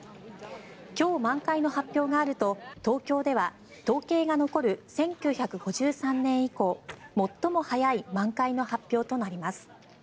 今日満開の発表があると東京では統計が残る１９５３年以降最も早い満開の発表となります。